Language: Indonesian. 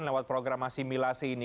lewat program asimilasi ini